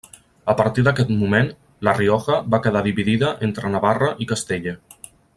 A partir d'aquest moment La Rioja va quedar dividida entre Navarra i Castella.